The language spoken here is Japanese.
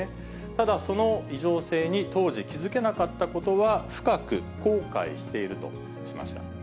ただ、その異常性に当時気付けなかったことは、深く後悔しているとしました。